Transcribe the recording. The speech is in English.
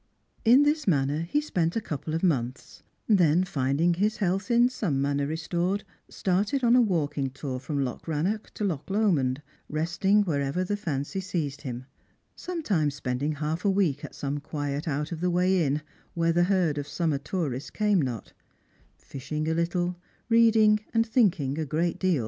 In this manner he spent a couple of months ; then finding his health in some manner restored, started on a walking tour from Loch Eannoch to Loch Lomond, resting wherever the fancy seized him; sometimes spending half a week at some quiet out of the way inn, where the herd of summer tourists came not; fishing a little, readinof and thinkinsr a great deal